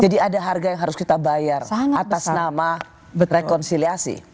jadi ada harga yang harus kita bayar atas nama rekonsiliasi